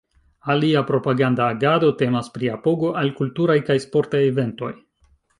Alia propaganda agado temas pri apogo al kulturaj kaj sportaj eventoj.